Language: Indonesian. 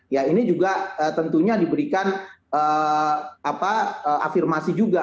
ya ini juga tentunya diberikan afirmasi juga